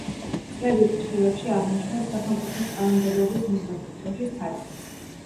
წლები ფრჩხილებში აღნიშნავს, სახელმწიფოს კანონმდებლობით მიღებული დროშის თარიღებს.